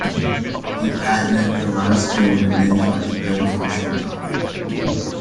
He patented the last two, and manufactured them for a short time.